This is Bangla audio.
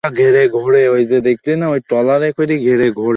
কোন ব্যক্তিকেই তার দোষ বা অসম্পূর্ণতা দেখে বিচার করা উচিত নয়।